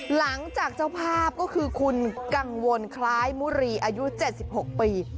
หลังจากเจ้าภาพก็คือคุณกังวลคล้ายมุรีอายุ๗๖ปี